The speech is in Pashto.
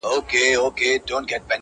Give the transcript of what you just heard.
• د ځنګله په غرڅه ګانو کي سردار وو -